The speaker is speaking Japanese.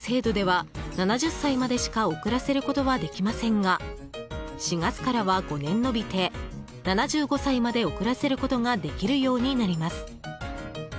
現在の制度では、７０歳までしか遅らせることはできませんが４月からは５年延びて７５歳まで遅らせることができるようになります。